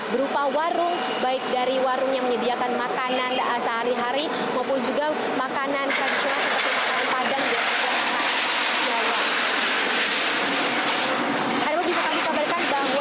berupa warung baik dari warung yang menyediakan makanan sehari hari maupun juga makanan tradisional seperti makanan padang dan juga makanan